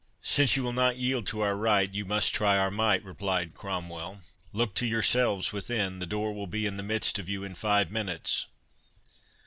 "Since you will not yield to our right, you must try our might," replied Cromwell. "Look to yourselves within; the door will be in the midst of you in five minutes."